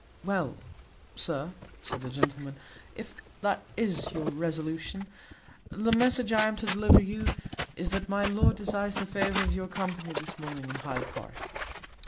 "Well, sir," said the gentleman, "if that is your resolution, the message I am to deliver to you is that my lord desires the favour of your company this morning in Hyde Park."